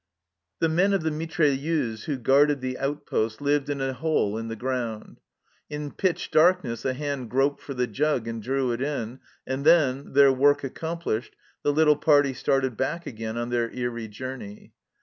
The men of the mitrailleuse who guarded the outpost lived in a hole in the ground. In pitch darkness a hand groped for the jug and drew it in, and then, their work accomplished, the little party started back again on their eerie journey.